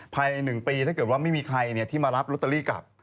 ภายใน๑ปีถ้าเกิดว่าไม่มีใครที่มารับลอตเตอรี่กลับ